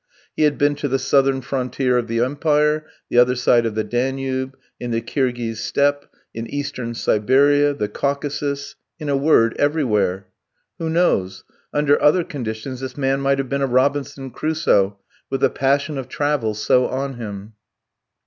He had been to the southern frontier of the empire, the other side of the Danube, in the Kirghiz Steppe, in Eastern Siberia, the Caucasus, in a word, everywhere. Who knows? under other conditions this man might have been a Robinson Crusoe, with the passion of travel so on him.